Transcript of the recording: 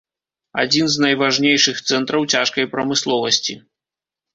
Адзін з найважнейшых цэнтраў цяжкай прамысловасці.